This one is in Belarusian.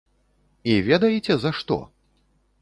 І ведаеце за што?